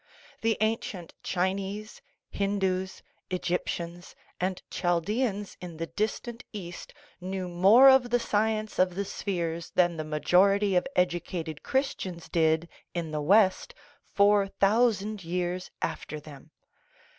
The ancient Chinese, Hindoos, Egyptians, and Chaldaeans in the distant East knew more of the science of the spheres than the majority of educated Christians did in the West four thousand years after them.